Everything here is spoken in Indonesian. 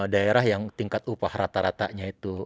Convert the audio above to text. daerah yang tingkat upah rata ratanya itu